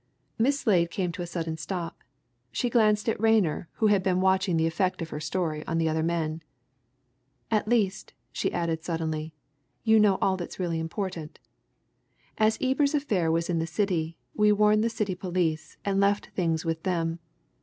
Miss Slade came to a sudden stop. She glanced at Rayner, who had been watching the effect of her story on the other men. "At least," she added suddenly, "you know all that's really important. As Ebers' affair was in the City, we warned the City police and left things with them.